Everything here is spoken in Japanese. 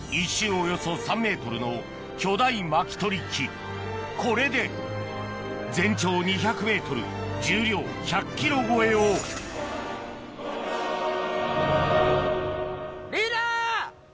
およそ３ｍの巨大これで全長２００ｍ重量１００ｋｇ超えをリーダー！